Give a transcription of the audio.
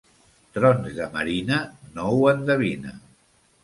Trons de marina, no ho endevina.